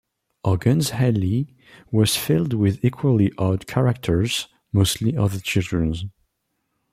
Hogan's Alley was filled with equally odd characters, mostly other children.